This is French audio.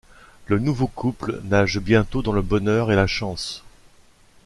Le nouveau couple nage bientôt dans le bonheur et la chance.